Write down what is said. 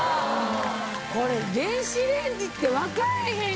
これ電子レンジって分からへん